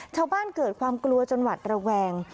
ชาวบ้านเกิดความกลัวจนหวัดระแวง